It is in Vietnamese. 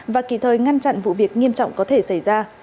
và kịp thời ngăn chặn vụ việc nghiêm trọng có thể xảy ra